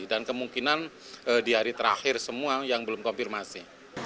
dan kemungkinan di hari terakhir semua yang belum konfirmasi